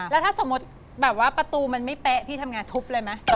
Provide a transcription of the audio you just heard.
แล้วถ้าสมมติประตูมันไม่แปะที่ทำงานทุบเลยไหม